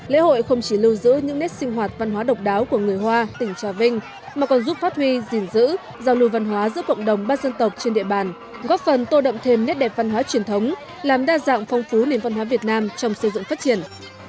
lễ hội không chỉ lưu giữ những nét sinh hoạt văn hóa độc đáo của người hoa tỉnh trà vinh mà còn giúp phát huy gìn giữ giao lưu văn hóa giữa cộng đồng ba dân tộc trên địa bàn góp phần tô đậm thêm nét đẹp văn hóa truyền thống làm đa dạng phong phú nền văn hóa việt nam trong xây dựng phát triển